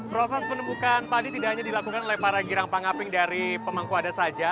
proses penumbukan padi tidak hanya dilakukan oleh para girang panggaping dari pemangku adat saja